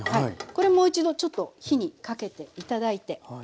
これもう一度ちょっと火にかけて頂いて。